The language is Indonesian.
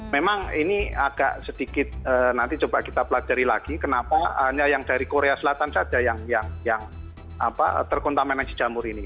memang ini agak sedikit nanti coba kita pelajari lagi kenapa hanya yang dari korea selatan saja yang terkontaminasi jamur ini